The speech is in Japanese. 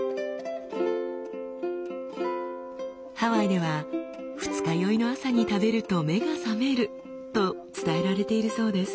ハワイでは二日酔いの朝に食べると目が覚めると伝えられているそうです。